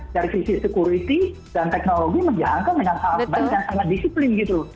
dari sisi security dan teknologi menjahankan dengan sangat baik dan sangat disiplin gitu